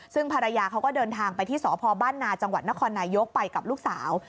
ซึ่งภรรยาเขาก็เดินทางไปที่สพบ้านนาจังหวัดนครนายกไปกับลูกสาว